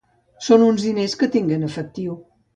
Son uns diners que tinc en efectiu.